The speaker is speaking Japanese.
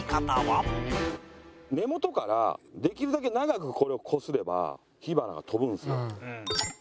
根元からできるだけ長くこれをこすれば火花が飛ぶんですよ。